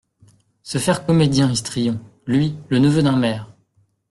Se faire comédien, histrion ! lui, le neveu d’un maire !…